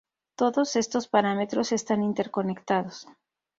Todos estos parámetros están interconectados.